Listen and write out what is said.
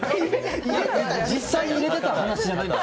実際に入れてた？